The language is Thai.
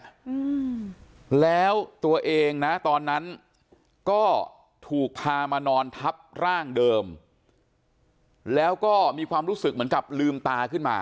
อืมแล้วตัวเองนะตอนนั้นก็ถูกพามานอนทับร่างเดิมแล้วก็มีความรู้สึกเหมือนกับลืมตาขึ้นมา